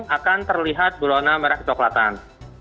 akan terlihat berwarna merah kecoklatan